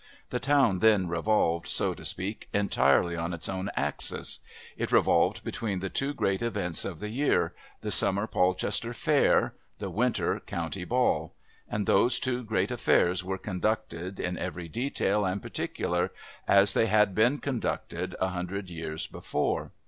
The town then revolved, so to speak, entirely on its own axis; it revolved between the two great events of the year, the summer Polchester Fair, the winter County Ball, and those two great affairs were conducted, in every detail and particular, as they had been conducted a hundred years before.